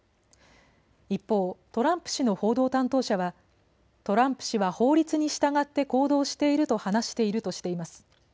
一方、トランプ氏の報道担当者はトランプ氏は法律に従って行動していると話しているとしています。